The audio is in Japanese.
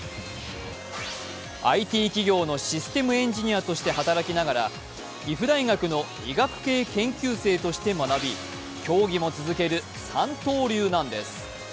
ＩＴ企業のシステムエンジニアとして働きながら岐阜大学の医学系研究生として学び競技も続ける三刀流なんです。